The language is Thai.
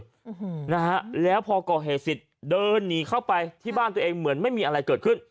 อืมนะฮะแล้วพอก่อเหตุเสร็จเดินหนีเข้าไปที่บ้านตัวเองเหมือนไม่มีอะไรเกิดขึ้น